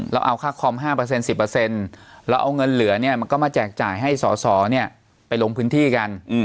เราเอาค่าคอม๕๑๐เราเอาเงินเหลือเนี่ยมันก็มาแจกจ่ายให้สอสอไปลงพื้นที่กัน